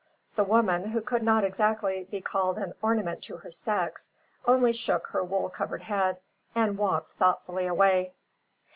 The woman, who could not exactly be called an "ornament to her sex," only shook her wool covered head and walked thoughtfully away.